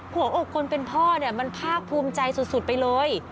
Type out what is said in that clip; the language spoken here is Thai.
หัวอกคนเป็นพ่อเนี่ยมันภาคภูมิใจสุดไปเลย